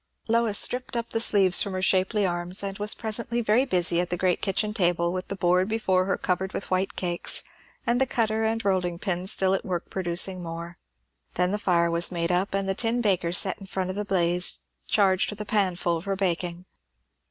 Lois stripped up the sleeves from her shapely arms, and presently was very busy at the great kitchen table, with the board before her covered with white cakes, and the cutter and rolling pin still at work producing more. Then the fire was made up, and the tin baker set in front of the blaze, charged with a panful for baking.